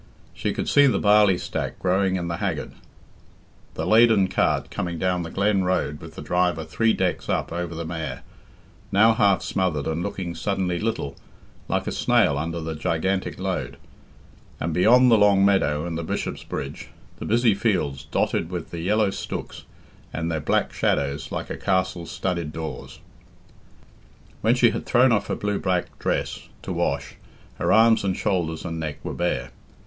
She could see the barley stack growing in the haggard; the laden cart coming down the glen road with the driver three decks up over the mare, now half smothered and looking suddenly little, like a snail under the gigantic load; and beyond the long meadow and the Bishop's bridge, the busy fields dotted with the yellow stooks and their black shadows like a castle's studded doors. When she had thrown off her blue black dress to wash her arms and shoulders and neck were bare.